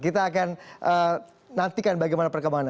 kita akan nantikan bagaimana perkembangannya